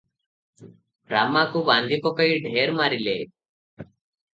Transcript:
ରାମାକୁ ବାନ୍ଧିପକାଇ ଢ଼େର ମାରିଲେ ।